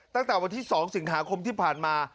ตั้งแต่วันที่๒สิงหาคมที่ผ่านมา